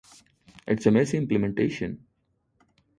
It is a messy implementation